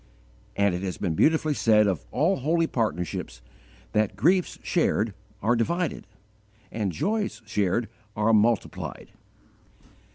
And it has been beautifully said of all holy partnerships, that griefs shared are divided, and joys shared are multiplied.